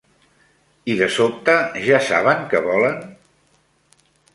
I de sobte ja saben què volen?